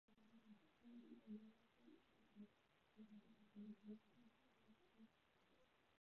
但因为魔王睡懒觉而足足迟了十四年才开始征服世界。